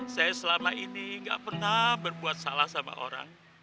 saya selama ini gak pernah berbuat salah sama orang